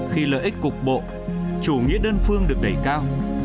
khi lợi ích cục bộ chủ nghĩa đơn phương được đẩy cao